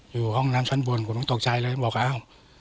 อยู่ห้องน้ำชั้นบนผมต้องตกใจเลยบอกอ้าว